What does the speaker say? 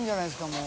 もう。